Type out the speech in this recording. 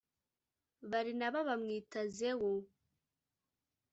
barinaba bamwita zewu .